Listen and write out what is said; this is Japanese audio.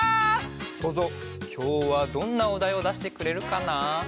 そうぞうきょうはどんなおだいをだしてくれるかな？